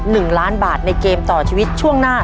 หนึ่งล้านบาทในเกมต่อชีวิตช่วงหน้า